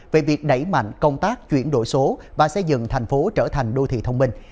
về việc đẩy mạnh công tác chuyển đổi số và xây dựng thành phố trở thành đô thị thông minh